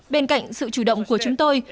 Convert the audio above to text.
bên cạnh sự chủ động của chúng tôi